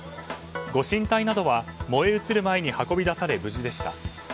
ご神体などは燃え移る前に運び出され、無事でした。